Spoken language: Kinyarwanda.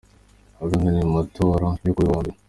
Abahiganywe mu matora yo kuri uyu wa mbere.